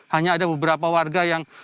hanya ada beberapa warga yang